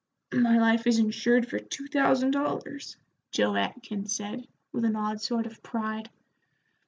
"My life is insured for two thousand dollars," Joe Atkins said, with an odd sort of pride.